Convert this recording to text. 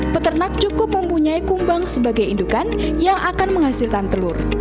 peternak cukup mempunyai kumbang sebagai indukan yang akan menghasilkan telur